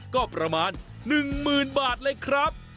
ก็ประมาณ๑๐๐๐บาทเลยครับ